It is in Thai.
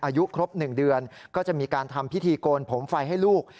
อายุครบ๑เดือนก็จะมีการทำพิธีโกนผมไฟให้ลูก